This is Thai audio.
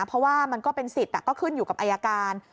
เพราะว่ามันก็เป็นสิทธิ์ก็ขึ้นอยู่กับอายการ